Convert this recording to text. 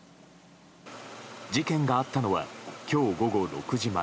事件があったのは今日午後６時前。